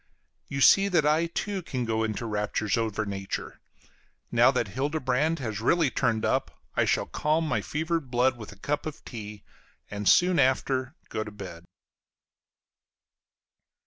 You see that I too can go into raptures over nature. Now that Hildebrand has really turned up, I shall calm my fevered blood with a cup of tea, and soon after go to bed.